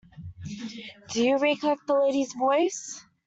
Do you recollect the lady's voice?